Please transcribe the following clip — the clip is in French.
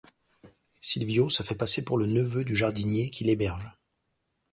Sylvio se fait passer pour le neveu du jardinier qui l'héberge.